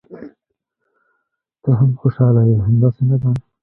ته هم خوشاله یې، همداسې نه ده؟